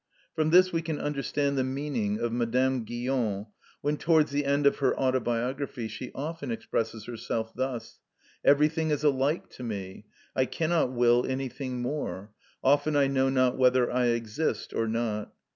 From this we can understand the meaning of Madame Guion when towards the end of her autobiography she often expresses herself thus: "Everything is alike to me; I cannot will anything more: often I know not whether I exist or not."